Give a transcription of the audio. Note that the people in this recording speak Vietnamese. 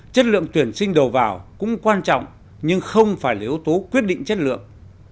chất lượng tuyển sinh đầu vào cũng quan trọng nhưng không phải là yếu tố quyết định chất lượng